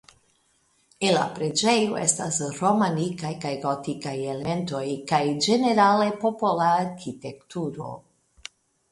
En la preĝejo estas romanikaj kaj gotikaj elementoj kaj ĝenerale popola arkitekturo.